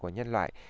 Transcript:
của nhân loại